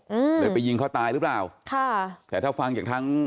อืมเลยไปยิงเขาตายหรือเปล่าค่ะแต่ถ้าฟังจากทั้ง